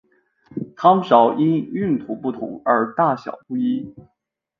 汤勺因用途不同而大小不一。